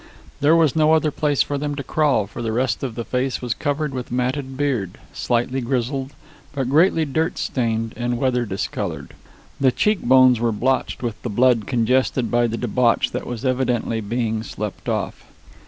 There was no other place for them to crawl, for the rest of the face was covered with matted beard, slightly grizzled, but greatly dirt stained and weather discolored. The cheek bones were blotched with the blood congested by the debauch that was evidently being slept off.